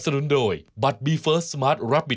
สวัสดีครับ